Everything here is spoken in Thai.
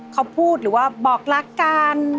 เขาพูดหรือว่าบอกรักกัน